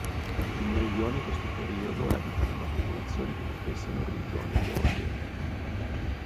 Il Meridione in questo periodo è abitato da popolazioni che professano religioni eterogenee.